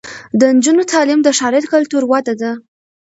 د نجونو تعلیم د ښاري کلتور وده ده.